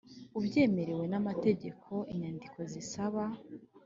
ubyemerewe n amategeko Inyandiko zisaba